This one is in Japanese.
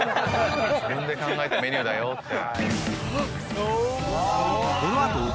自分で考えたメニューだよって。